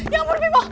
ya ampun bimo